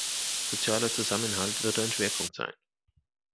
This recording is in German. Sozialer Zusammenhalt wird ein Schwerpunkt sein.